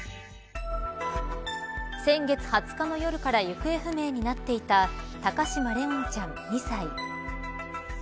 先月２０日の夜から行方不明になっていた高嶋怜音ちゃん、２歳。